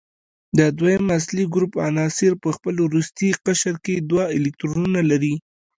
د دویم اصلي ګروپ عناصر په خپل وروستي قشر کې دوه الکترونونه لري.